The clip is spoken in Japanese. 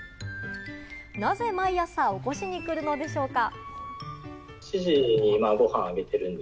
なぜ毎朝起こしにくるのでしょうか。